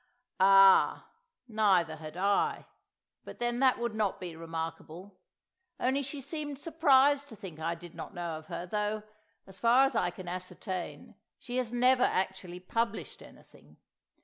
"Ah! neither had I. But then that would not be remarkable. Only she seemed surprised to think I did not know of her, though, so far as I can ascertain, she has never actually published anything.